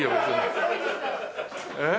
えっ？